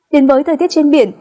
đến với thời tiết trên biển